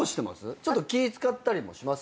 ちょっと気ぃ使ったりもします？